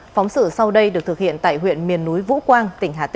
phóng sự sau đây được thực hiện tại huyện miền núi vũ quang